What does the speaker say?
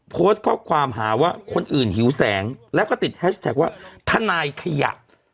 โพสต์ข้อความหาว่าคนอื่นหิวแสงแล้วก็ติดแฮชแท็กว่าทนายขยะ